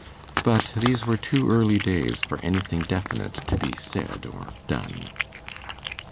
But these were too early days for anything definite to be said or done.